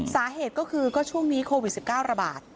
สาเหตุก็คือก็ช่วงนี้โควิด๑๙ระบาด